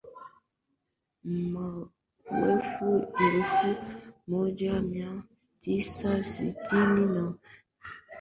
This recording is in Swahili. mwaka elfu moja mia tisa sitini na tano Kanali Mkuu wa Jeshi